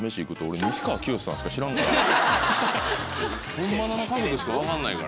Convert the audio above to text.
本物の家族しか分かんないから。